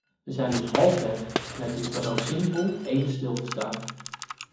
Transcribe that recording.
We zijn dus halfweg en het is dan ook zinvol even stil te staan.